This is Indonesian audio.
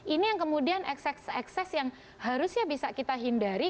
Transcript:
ini yang kemudian ekses ekses yang harusnya bisa kita hindari